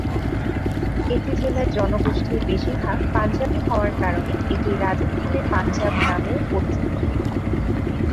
এটি জেলার জনগোষ্ঠীর বেশিরভাগ পাঞ্জাবি হওয়ার কারণে এটি রাজস্থানের পাঞ্জাব নামেও পরিচিত।